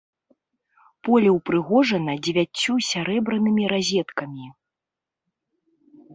Поле ўпрыгожана дзевяццю сярэбранымі разеткамі.